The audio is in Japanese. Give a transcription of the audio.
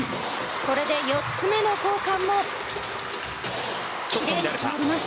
これで４つ目の交換もきれいに決まります。